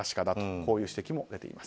こういう指摘も出ています。